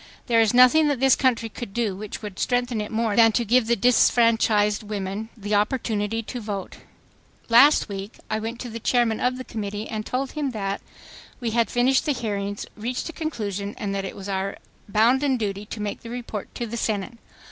There is nothing that this country could do which would strengthen it more than to give the disfranchised women ... the opportunity to vote .... "Last week ... I went to the Chairman of the Committee and told him that ... we had finished the hearings, reached a conclusion and that it was our bounden duty to make the report to the Senate